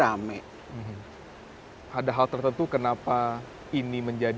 aiko video nah waktu itu lupa internet